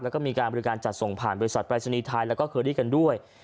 แล้วก็มีการบริการจัดส่งผ่านบริษัทปรายศนีย์ไทยแล้วก็เคอรี่กันด้วย